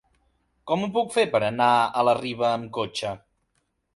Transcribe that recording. Com ho puc fer per anar a la Riba amb cotxe?